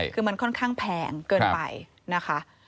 คือมันค่อนข้างแพงเกินไปนะคะ